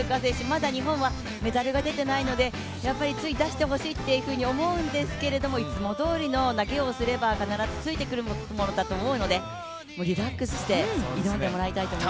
まだ日本はメダルが出ていないのでやっぱり、つい出してほしいと思うんですけれどもいつもどおりの投げをすれば、必ずついてくるものだと思うのでリラックスして挑んでもらいたいと思います。